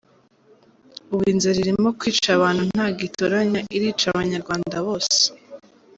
Ubu inzara irimo kwica abantu ntago itoranya irica abanyarwanda bose.